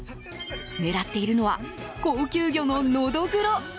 狙っているのは高級魚のノドグロ。